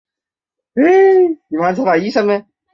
林肯当场暴毙。